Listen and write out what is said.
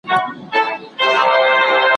چي په لار کي ترابان نه یې وژلی ,